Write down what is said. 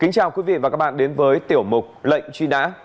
xin chào quý vị và các bạn đến với tiểu mục lệnh truy nã